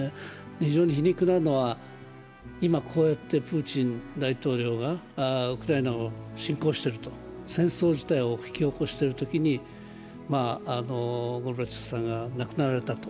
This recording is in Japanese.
非常に皮肉なのは、今こうやってプーチン大統領がウクライナを侵攻している、戦争事態を引き起こしているときに、ゴルバチョフさんが亡くなったと。